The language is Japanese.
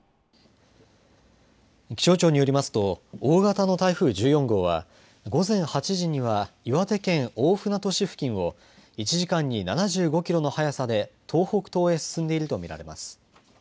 気象庁によりますと大型の台風１４号は午前８時には岩手県大船渡市付近を１時間に７５キロの速さで東北東へ進んでいると見られます。